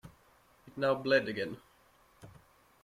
It now bled again.